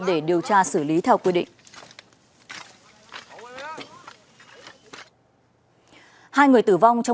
để điều tra xử lý theo quy định